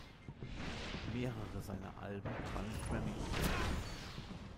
Mehrere seiner Alben gewannen Grammy Awards.